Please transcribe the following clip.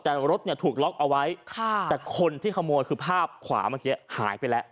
แต่รถเนี่ยถูกล็อกเอาไว้ค่ะแต่คนที่ขโมยคือภาพขวาเมื่อกี้หายไปแล้ว